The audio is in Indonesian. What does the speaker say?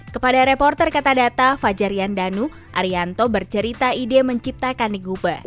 kepada reporter katadata fajarian danu arianto bercerita ide menciptakan niguber